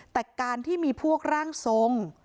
แต่การที่มีพวกร่างทรง